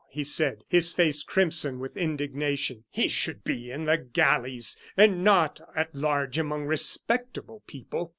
he said, his face crimson with indignation. "He should be in the galleys, and not at large among respectable people."